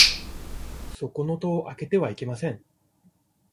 そこの戸を開けてはいけません。